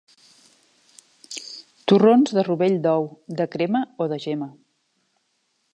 Torrons de rovell d'ou, de crema o de gema.